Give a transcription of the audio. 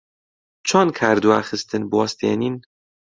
چۆن کاردواخستن بوەستێنین؟